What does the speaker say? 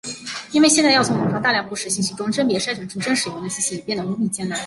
因为现在要从网上大量不实信息中甄别筛选出真实有用的信息已变的无比艰难。